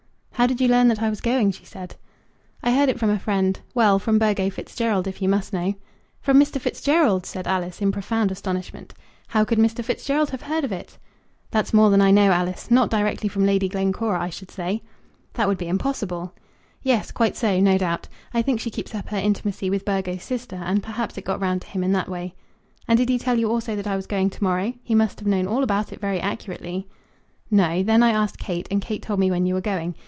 "How did you learn that I was going?" she said. "I heard it from a friend of mine. Well; from Burgo Fitzgerald, if you must know." "From Mr. Fitzgerald?" said Alice, in profound astonishment: "How could Mr. Fitzgerald have heard of it?" "That's more than I know, Alice. Not directly from Lady Glencora, I should say." "That would be impossible." "Yes; quite so, no doubt. I think she keeps up her intimacy with Burgo's sister, and perhaps it got round to him in that way." "And did he tell you also that I was going to morrow? He must have known all about it very accurately." "No; then I asked Kate, and Kate told me when you were going.